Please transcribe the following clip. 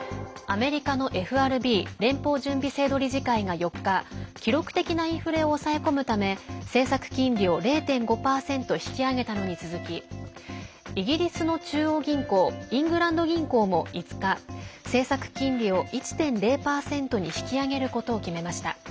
アメリカのＦＲＢ＝連邦準備制度理事会が４日記録的なインフレを抑え込むため政策金利を０．５％引き上げたのに続きイギリスの中央銀行イングランド銀行も５日政策金利を１．０％に引き上げることを決めました。